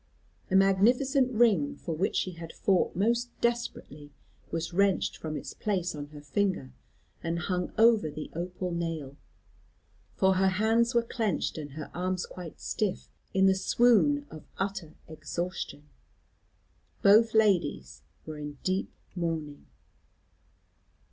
A magnificent ring, for which she had fought most desperately, was wrenched from its place on her finger and hung over the opal nail, for her hands were clenched, and her arms quite stiff, in the swoon of utter exhaustion. Both ladies were in deep mourning.